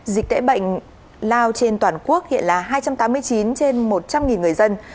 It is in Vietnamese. dịch tễ bệnh lao trên toàn quốc hiện là hai trăm tám mươi chín trên một trăm linh người dân